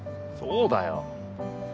そうだよ。